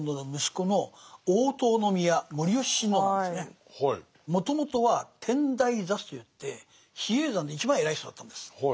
それがもともとは天台座主といって比叡山で一番偉い人だったんです。